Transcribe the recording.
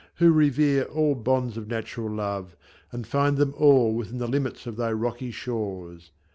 who revere All bonds of natural love, and find them all Within the limits of thy rocky shores.